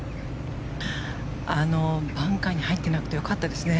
バンカーに入ってなくてよかったですね。